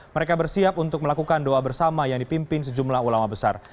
mereka bersiap untuk melakukan doa bersama yang dipimpin sejumlah ulama besar